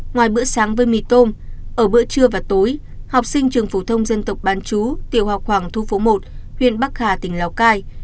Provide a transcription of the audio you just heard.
ngoài bữa sáng với mì tôm ở bữa trưa và tối học sinh trường phổ thông dân tộc bán chú tiểu học khoảng thu phố một huyện bắc hà tỉnh lào cai